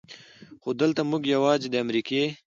خو دلته مونږ يواځې د امريکې